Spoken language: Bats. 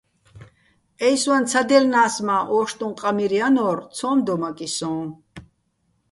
ე́ჲსვაჼ ცადჲელნა́ს, მა́ ო́შტუჼ ყამირ ჲანო́რ, ცო́მ დომაკიჼ სოჼ.